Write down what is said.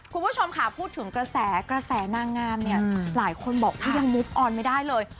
คุณผู้ชมค่ะพูดถึงกระแสน่างามหลายคนบอกว่ายังมุฒอลไม่ได้เลย